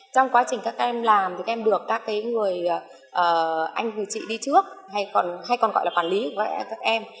trong quá trình các em làm thì các em được các người anh người chị đi trước hay còn hay còn gọi là quản lý của các em